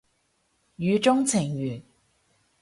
語中程緣